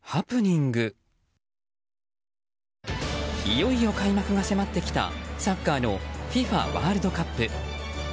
いよいよ開幕が迫ってきたサッカーのＦＩＦＡワールドカップ。